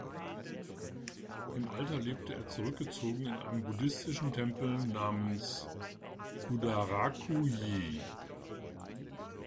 Im Alter lebte er zurückgezogen in einem buddhistischen Tempel namens "Fudaraku-ji".